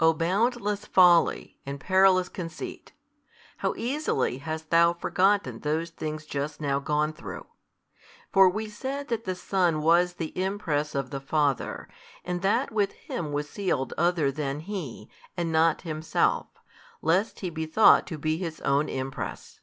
O boundless folly, and perilous conceit! how easily hast thou forgotten those things just now gone through. For we said that the Son was the Impress of the Father, and that with Him was sealed other than He, and not Himself, lest He be thought to be His Own Impress.